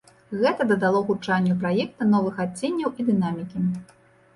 Гэта дадало гучанню праекта новых адценняў і дынамікі.